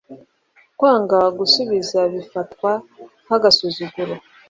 Kwanga gusubiza bifatwa nk’agasuzuguro